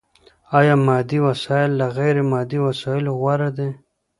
ايا مادي وسايل له غير مادي وسايلو غوره دي؟